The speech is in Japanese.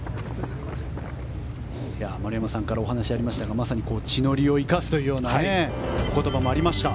丸山さんからお話がありましたがまさに地の利を生かすというようなお言葉もありました。